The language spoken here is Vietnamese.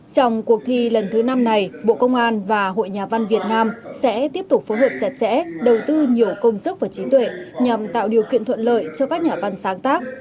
trong cuộc thi lần thứ năm này bộ công an và hội nhà văn việt nam sẽ tiếp tục phối hợp chặt chẽ đầu tư nhiều công sức và trí tuệ nhằm tạo điều kiện thuận lợi cho các nhà văn sáng tác